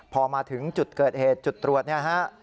พอมาถึงจุดเกิดเหตุจุดตรวจ